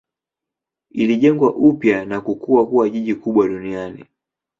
Ilijengwa upya na kukua kuwa jiji kubwa duniani.